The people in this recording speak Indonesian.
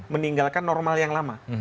meninggalkan normal yang lama